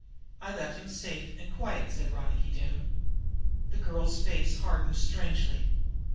"I left him safe and quiet," said Ronicky Doone. The girl's face hardened strangely.